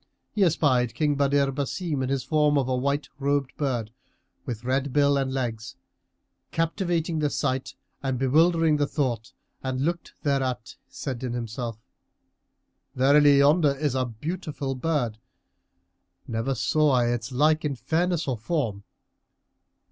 He espied King Badr Basim in his form of a white robed bird, with red bill and legs, captivating the sight and bewildering the thought; and, looking thereat, said in himself "Verily, yonder is a beautiful bird: never saw I its like in fairness or form."